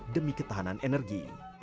demi ketahanan energi